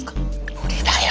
無理だよ。